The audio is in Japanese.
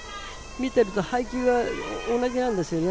見ていると配球が同じなんですよね。